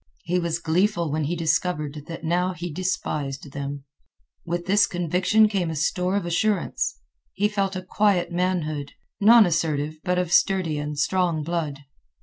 He was gleeful when he discovered that he now despised them. With this conviction came a store of assurance. He felt a quiet manhood, nonassertive but of sturdy and strong blood.